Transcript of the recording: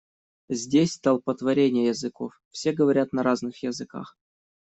Здесь столпотворение языков, все говорят на разных языках.